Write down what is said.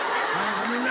ごめんな。